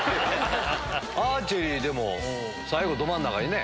アーチェリー最後ど真ん中にね。